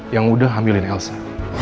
yang udah hamilin elsa